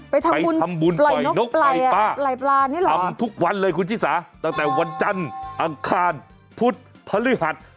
ไปทำบุญปล่อยนกปล่อยปลาไหลปลานี่แหละทำทุกวันเลยคุณชิสาตั้งแต่วันจันทร์อังคารพุธพฤหัส